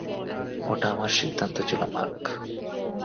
ওটা আমার সিদ্ধান্ত ছিলো, মার্ক।